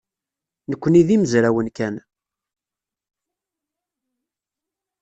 Nekkni d imezrawen kan.